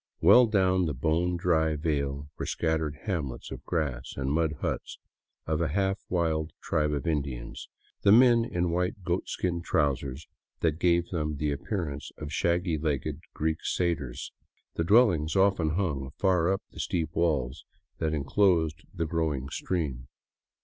Well down the bone dry vale were scattered hamlets of grass and mud huts of a half wild tribe of Indians, the men in white goatskin trousers that gave them the appearance of shaggy legged Greek satyrs, the dwellings often hung far up the steep walls that enclosed the growing stream.